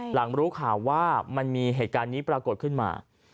หลังรู้ข่าวว่ามันมีเหตุการณ์นี้ปรากฏขึ้นมา